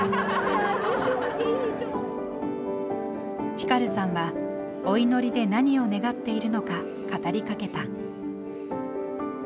フィカルさんはお祈りで何を願っているのか語りかけた。